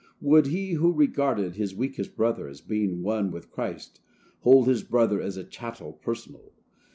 Would he who regarded his weakest brother as being one with Christ hold his brother as a chattel personal?